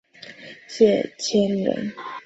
谢迁人。